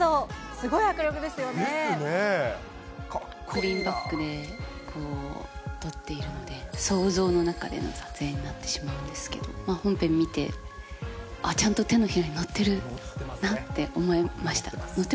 グリーンバックで撮っているので、想像の中での撮影になってしまうんですけど、本編見て、あっ、ちゃんと手のひらに乗ってるなって思えました。